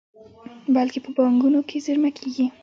بلکې په بانکونو کې زېرمه کیږي.